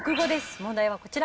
問題はこちら。